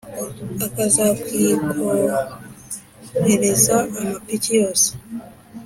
Akazakwikorereza amapiki yose